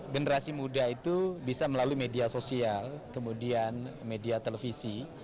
generasi muda itu bisa melalui media sosial kemudian media televisi